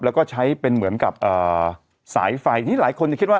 แล้วก็ใช้เป็นเหมือนกับสายไฟที่หลายคนจะคิดว่า